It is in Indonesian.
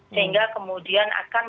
sehingga kemudian akan